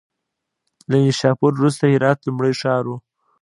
له نیشاپور وروسته هرات لومړی ښار و.